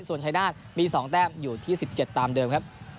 ส่วนชายนาฏมี๒แต้มอยู่ที่๑๗ตามเดิมครับ